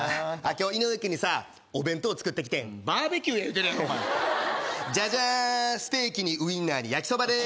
今日井上君にさお弁当作ってきてんバーベキューや言うてるやろお前ジャジャーンステーキにウインナーに焼きそばでーす